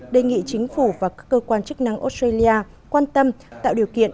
đề nghị chính phủ và các cơ quan chức năng australia quan tâm tạo điều kiện